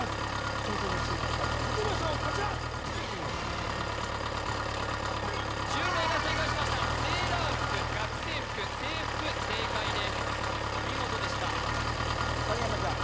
挑戦者チームの解答を見てみましょうこちらセーラー服学生服制服正解ですお見事でしたいけた影山ちゃん